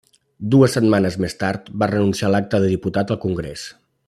Dues setmanes més tard, va renunciar a l'acta de diputat al Congrés.